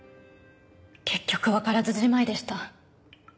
結局わからずじまいでした。